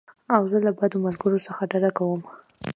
زه له بدو ملګرو څخه ډډه کوم.